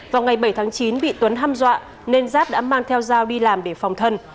vào ngày bảy tháng chín bị tuấn ham dọa nên giáp đã mang theo dao đi làm để phòng thân